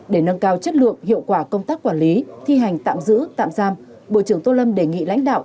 để nâng cao chất lượng hiệu quả công tác quản lý thi hành tạm giữ tạm giam bộ trưởng tô lâm đề nghị lãnh đạo